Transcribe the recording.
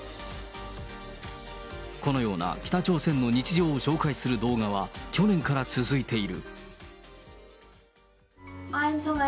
このような北朝鮮の日常を紹介する動画は、去年から続いている。